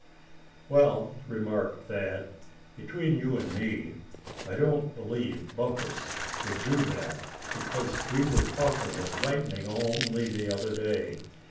"Well," remarked Thad, "between you and me I don't believe Bumpus would do that, because we were talking of lightning only the other day.